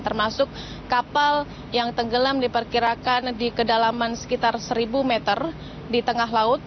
termasuk kapal yang tenggelam diperkirakan di kedalaman sekitar seribu meter di tengah laut